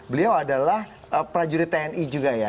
beliau adalah prajurit tni juga ya